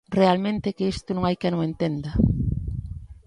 Realmente é que isto non hai quen o entenda.